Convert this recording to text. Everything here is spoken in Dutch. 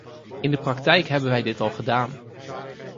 In de praktijk hebben wij dit al gedaan.